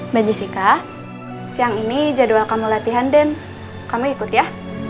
mbak jessica siang ini jadwal kamu latihan dance kamu ikut ya